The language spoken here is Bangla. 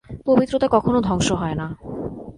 পবিত্রতা কখনও ধ্বংস হয় না।